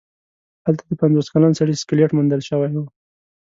هلته د پنځوس کلن سړي سکلیټ موندل شوی و.